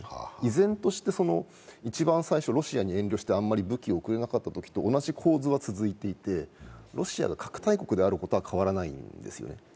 依然としてロシアに遠慮してあんまり武器を送れなかったときと同じ構図が続いていて、ロシアが核大国であることは変わらないんですよね。